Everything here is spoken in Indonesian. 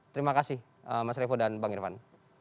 terima kasih mas revo dan bang irvan